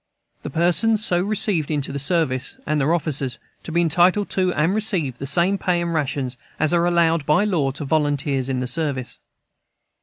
The persons so received into service, and their officers, to be entitled to, and receive, the same pay and rations as are allowed, by law, to volunteers in the service.